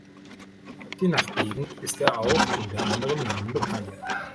Je nach Gegend ist er auch unter anderen Namen bekannt.